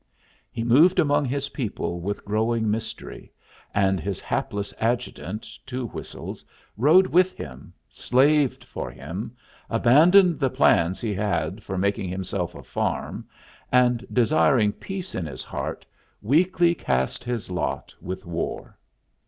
He moved among his people with growing mystery, and his hapless adjutant, Two Whistles, rode with him, slaved for him, abandoned the plans he had for making himself a farm, and, desiring peace in his heart, weakly cast his lot with war.